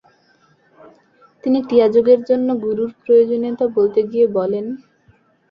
তিনি ক্রিয়াযোগের জন্য গুরুর প্রয়োজনীয়তা বলতে গিয়ে বলেন: